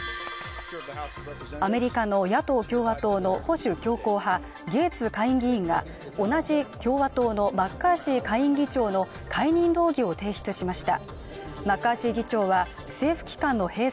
アメリカの野党共和党の保守強硬派ゲーツ下院議員が同じ共和党のマッカーシー下院議長の解任動議を提出しました。